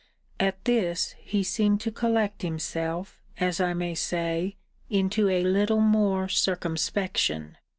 [At this he seemed to collect himself, as I may say, into a little more circumspection.